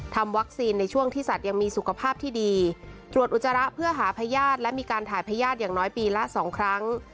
ทำวัคซีนในช่วงที่สัตว์ยังมีสุขภาพที่ดีตรวจอุจจาระเพื่อหาพญาติและมีการถ่ายพญาติอย่างน้อยปีละสองครั้ง